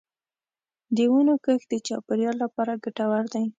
د ونو کښت د چاپېریال لپاره ګټور دی.